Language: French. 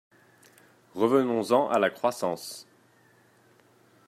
Revenons-en à la croissance.